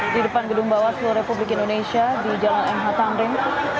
di depan gedung bawaslu republik indonesia di jalan mh tamrin